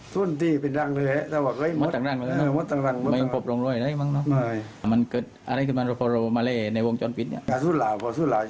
อ๋อซึ่งทีนี้เราไปท่ามหัวรูเหลือมีมั้งแน่ะ